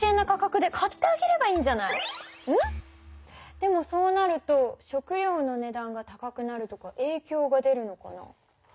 でもそうなると食料の値段が高くなるとかえいきょうが出るのかな？